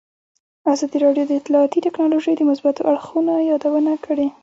ازادي راډیو د اطلاعاتی تکنالوژي د مثبتو اړخونو یادونه کړې.